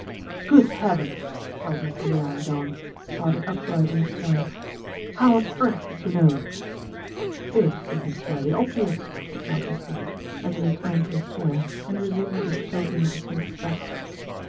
"Good heavens!" cried Mr. Llewellyn John, starting upright in his chair. "How on earth did you know?" "It seems fairly obvious," said Malcolm Sage, as he returned to his chair and resumed his stroking of the sphinx's back.